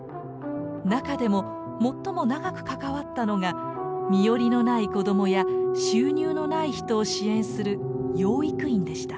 中でも最も長く関わったのが身寄りのない子どもや収入のない人を支援する養育院でした。